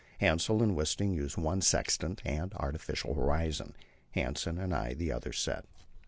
Hassel and Wisting used one sextant and artificial horizon, Hanssen and I the other set.